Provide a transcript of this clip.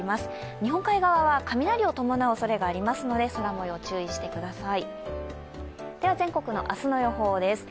日本海側は雷を伴うおそれがありますので空もよう、注意してください。